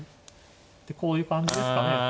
でこういう感じですかね。